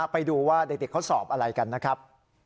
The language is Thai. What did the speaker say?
ไปดูว่าเด็กเขาสอบอะไรกันนะครับ